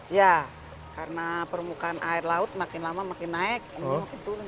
iya karena permukaan air laut makin lama makin naik ini makin turun